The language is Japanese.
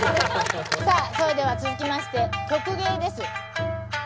さあそれでは続きまして曲芸です。